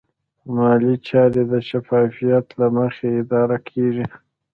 مالي چارې د شفافیت له مخې اداره کېږي.